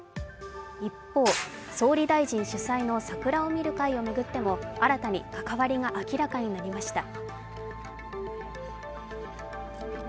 一方、総理大臣主催の桜を見る会を巡っても新たに関わりが明らかになりました。